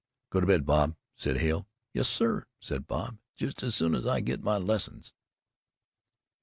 "Go to bed, Bob," said Hale. "Yes, sir," said Bob; "just as soon as I get my lessons."